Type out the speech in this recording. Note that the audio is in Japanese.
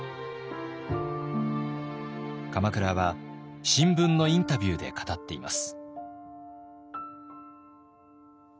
鎌倉は新聞のインタビューで語っています。